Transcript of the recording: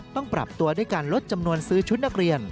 ต้องปรับตัวด้วยการลดจำนวนซื้อชุดนักเรียน